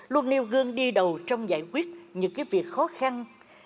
luôn nêu gương đi đầu trong giải quyết những việc khó khăn